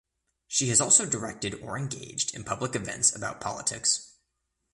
She has also directed or engaged in public events about politics.